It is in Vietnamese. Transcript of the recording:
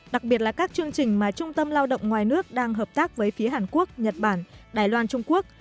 đặc biệt là các chương trình mà trung tâm lao động ngoài nước đang hợp tác với phía hàn quốc nhật bản đài loan trung quốc